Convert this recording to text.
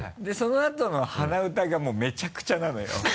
でそのあとの鼻歌がもうめちゃくちゃなのよ。